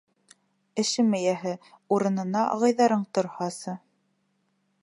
Эшем эйәһе, урыныңа ағайҙарың торһасы.